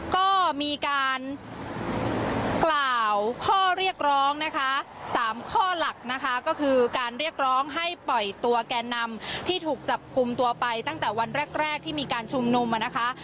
ก็มีการกล่าวข้อเรียกร้องนะคะ๓ข้อหลักนะคะก็คือการเรียกร้องให้ปล่อยตัวแกนนำที่ถูกจับกลุ่มตัวไปตั้งแต่วันแรกที่มีการชุมนุมนะคะ